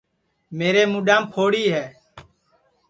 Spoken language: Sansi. میرے موڈام پھوڑی ہے